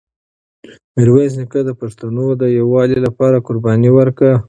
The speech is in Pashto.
میرویس نیکه د پښتنو د یووالي لپاره قرباني ورکړه.